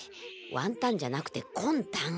ヱワンタンじゃなくてこんたん！